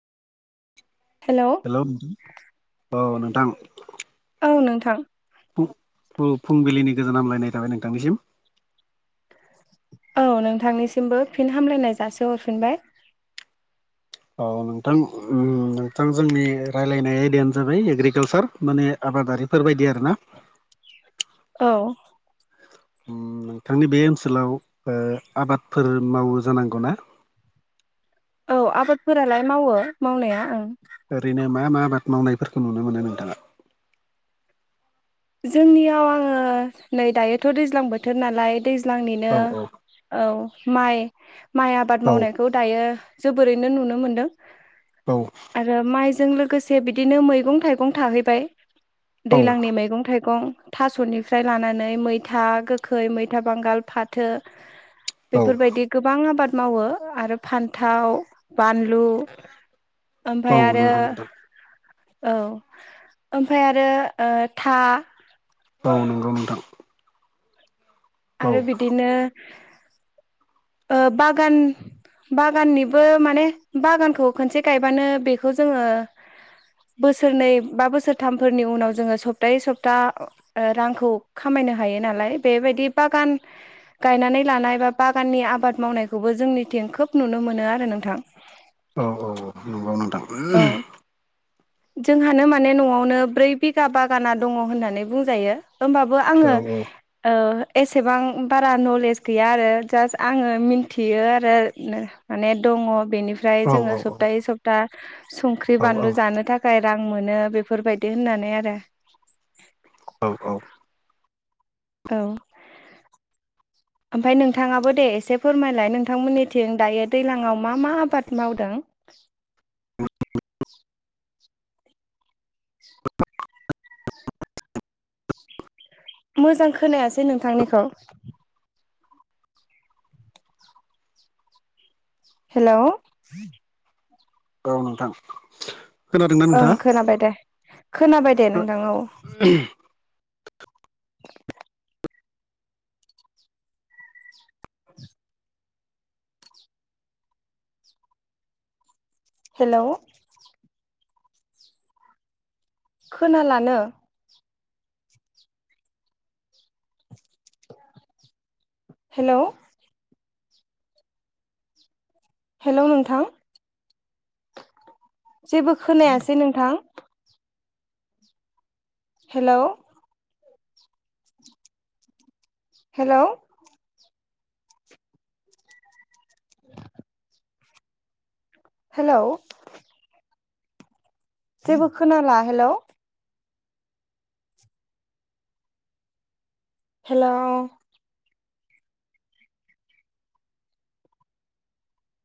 हेल' hello औ नोंथां औ नोंथां फुंबिलिनि गोजोन हामलायनाय थाबाय नोंथांनिसिम औ नोंथांनिसिमबो फिन हामलायनाय जासि हरफिनबाय औ नोंथां नोंथां जोंनि रायलायनाय आयदायानो जाबाय एग्रिकालसार माने आबादारिफोर बायदि आरो ना औ [unintelligible] नोंथांनि बे ओनसोलाव ओ आबादफोर मावो जानांगौ ना औ आबादफोरालाय मावो मावनाया ओं ओरैनो मा मा आबाद मावनायफोरखौ नुनो मोनो नोंथाङा जोंनियाव आङो नै दायोथ' दैज्लां बोथोर नालाय दैज्लांनिनो औ औ माइ माइ आबाद औ मावनायखौ दायो जोबोरैनो नुनो मोनदों औ आरो माइजों लोगोसे बिदिनो मैगं थाइगं थाहैबाय दैज्लांनि मैं मैगं थाइगं थास'निफ्राय लानानै मैथा गोखै मैथा बांगाल फाथो [unintelligible] बेफोरबायदि गोबां आबाद मावो आरो फान्थाव बानलु औ ओमफ्राय आरो नंगौ नोंथां औ ओमफ्राय आरो था औ नंगौ नोंथां औ आरो बिदिनो बागान बागाननिबो माने बागानखौ खनसे गायबानो बेखौ जोङो बोसोरनै बा बोसोरथामफोरनि उनाव जोङो सप्तायै सप्ता रांखौ खामायनो हायो नालाय बेबायदि बागान गायनानै लानाय बा बागाननि आबाद मावनायखौबो जोंनिथिं खोब नुनो मोनो आरो नोंथां औ औ औ नंगौ नोंथां औ जोंहानो माने न'आवनो ब्रै बिगा बागाना दङ होननानै बुंजायो होमबाबो औ आङो एसेबां बारा नलेज गैया आरो जास्ट आङो मिन्थियो आरो माने दङ बेनिफ्राय औ औ जोङो सप्ताहै सप्ता संख्रि बानलु जानो थाखाय थाखाय रां मोनो बेफोरबायदि होननानै आरो औ औ औ ओमफफ्राय नोंथाङाबो दे एसे फोरमायलाय नोंथांमोननिथिं दायो दैज्लाङाव मा मा आबाद मावदों मोजां खोनायासै नोंथांनिखौ हेलौ [unintelligible] नोंथां खोनादोंना ओं नोंथाङा खोनाबाय दे खोनाबाय दे नोंथां औ [unintelligible] [unintelligible] [unintelligible] हेलौ खोनालानो हेलौ हेलौ नोंथां जेबो खोनायासै नोंथां हेलौ हेलौ [unintelligible] हेलौ जेबो खोनाला हेलौ हेलौ